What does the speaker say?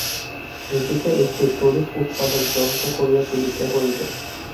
নিজেকে একটি তড়িৎ-উৎপাদক যন্ত্র করিয়া তুলিতে হইবে।